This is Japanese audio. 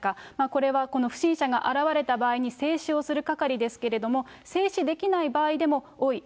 これは、この不審者が現れた場合に、制止をする係ですけれども、制止できない場合でも、おい！